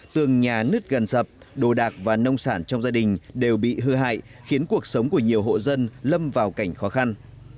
tường nhà nứt gần sập đồ đạc và nông sản trong gia đình đều bị hư hại khiến cuộc sống của nhiều hộ dân lâm vào cảnh khó khăn